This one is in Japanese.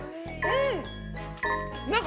うん！